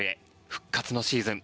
復活のシーズン